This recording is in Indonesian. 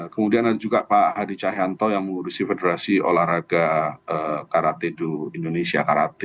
kemudian ada juga pak hadi cahyanto yang mengurusi federasi olahraga karatedo indonesia karate